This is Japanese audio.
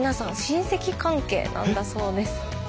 親戚関係なんだそうです。